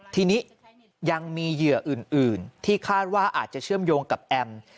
ทีนี้ยังมีเหยื่ออื่นที่คาดว่าอาจจะเชื่อมโยงกับแอม